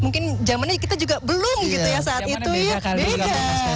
mungkin zamannya kita juga belum gitu ya saat itu ya beda